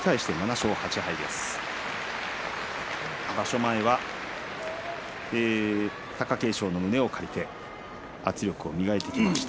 前は貴景勝の胸を借りて圧力を磨いていました。